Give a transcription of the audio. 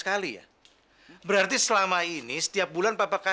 hai yai maken itusudinya